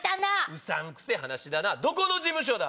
うさんくせぇ話だなどこの事務所だ？